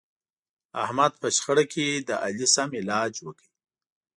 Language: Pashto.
احمد په شخړه کې د علي سم علاج وکړ.